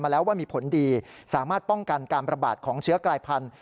แล้วว่ามีผลดีสามารถป้องกันการประบาดของเชื้อกลายพันธุ